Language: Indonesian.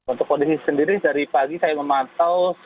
untuk kondisi sendiri dari pagi saya memantau